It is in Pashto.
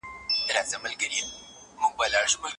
مونږ بايد يو بل ته د ورور په سترګه وګورو.